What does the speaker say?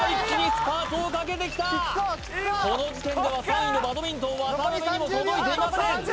ここでこの時点では３位のバドミントン渡辺にも届いていません